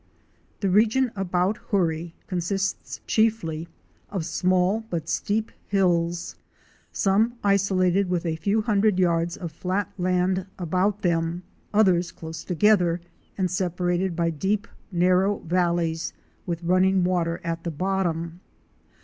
The region about Hoorie consists chiefly of small but steep hills, some isolated with a few hundred yards of flat land about them, others close together and separated by deep, narrow valleys with running water at the bottom.